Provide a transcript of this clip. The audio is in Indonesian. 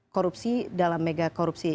korupsi dalam mega korupsi